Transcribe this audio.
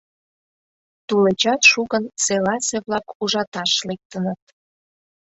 Тулечат шукын селасе-влак ужаташ лектыныт.